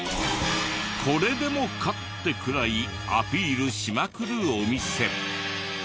これでもかってくらいアピールしまくるお店。